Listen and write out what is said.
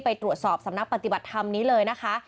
ไปตรวจสอบสำนักปฏิบัติธรรมนี้เลยนะคะ